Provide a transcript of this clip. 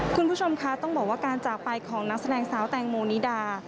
คุณผู้ชมคะต้องบอกว่าการจากไปของนักแสดงสาวแตงโมนิดา